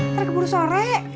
ntar keburu sore